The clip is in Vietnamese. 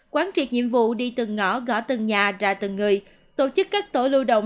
quán triệt nhiệm vụ đi từng ngõ gõ từng nhà ra từng người tổ chức các tổ lưu động